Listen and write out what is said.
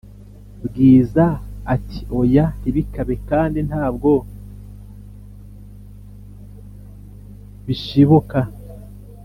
Bwiza ati"oya ntibikabe kandi ntabwo bishiboka